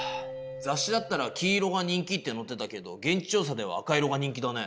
雑誌だったら黄色が人気ってのってたけど現地調査では赤色が人気だね。